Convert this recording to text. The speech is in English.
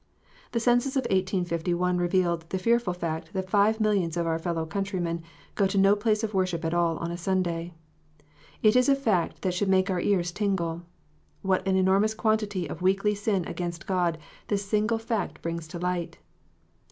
The census of 1851 revealed the fearful fact that five millions of our fellow country men go to no place of worship at all on a Sunday ! It is a fact that should make our ears tingle. What an enormous quantity of weekly sin against God this single fact brings to light